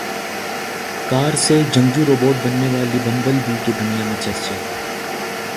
کار سے جنگجو روبوٹ بننے والی بمبل بی کے دنیا میں چرچے